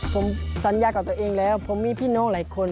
ผมสัญญากับตัวเองแล้วผมมีพี่น้องหลายคน